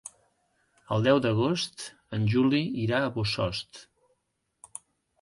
El deu d'agost en Juli irà a Bossòst.